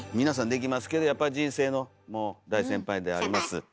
皆さんできますけどやっぱり人生の大先輩であります